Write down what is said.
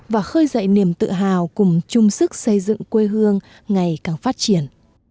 và khơi dậy niềm tự hào cùng chung sức xây dựng quê hương ngày càng phát triển